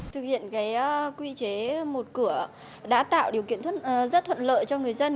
thực hiện quy chế một cửa đã tạo điều kiện rất thuận lợi cho người dân